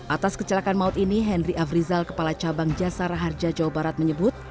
atas kecelakaan maut ini henry afrizal kepala cabang jasara harja jawa barat menyebut